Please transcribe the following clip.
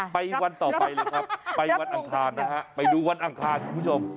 วันต่อไปแล้วครับไปวันอังคารนะฮะไปดูวันอังคารคุณผู้ชม